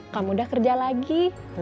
kamu udah kerja lagi